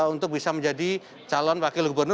untuk bisa menjadi calon wakil gubernur